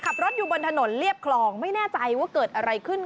ขับรถอยู่บนถนนเรียบคลองไม่แน่ใจว่าเกิดอะไรขึ้น